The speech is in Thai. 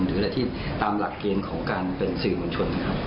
หรืออะไรที่ตามหลักเกณฑ์ของการเป็นสื่อมวลชนนะครับ